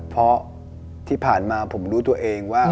เพราะที่ผ่านมาผมรู้ตัวเองว่า